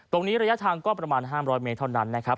ตรงนี้ระยะทางก็ประมาณ๕๐๐เมตรเท่านั้น